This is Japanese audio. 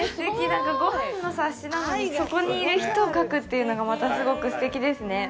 なんか、ごはんの冊子なのに、そこにいる人を描くっていうのがまたすごくすてきですね。